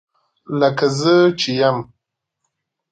لکه زه چې یم